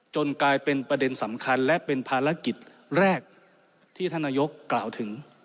กลายเป็นประเด็นสำคัญและเป็นภารกิจแรกที่ท่านนายกกล่าวถึง